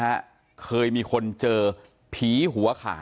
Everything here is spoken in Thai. ฐานพระพุทธรูปทองคำ